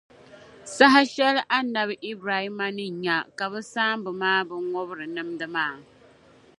Saha shεli Annabi Ibrahima ni nya ka bɛ saamba maa bi ŋubri nimdi maa.